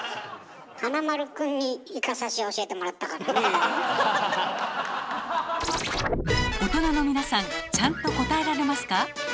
華丸くんに大人の皆さんちゃんと答えられますか？